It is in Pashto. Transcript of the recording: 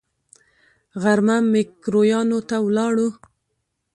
غرمه ميکرويانو ته ولاړو.